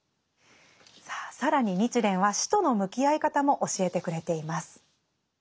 さあ更に日蓮は死との向き合い方も教えてくれています。